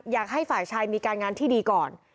อยากให้ฝ่ายชายมีการงานที่ดีก่อน